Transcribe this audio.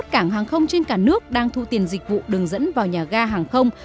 hai mươi một cảng hàng không trên cả nước đang thu tiền dịch vụ đường dẫn vào nhà ga hàng không